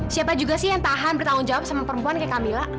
siapa juga sih yang tahan bertanggung jawab sama perempuan kayak camilla